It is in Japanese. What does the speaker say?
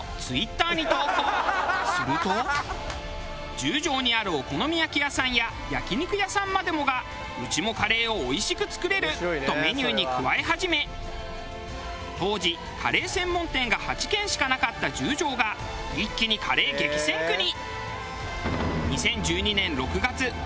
十条にあるお好み焼き屋さんや焼き肉屋さんまでもが「うちもカレーをおいしく作れる」とメニューに加え始め当時カレー専門店が８軒しかなかった十条が一気にカレー激戦区に。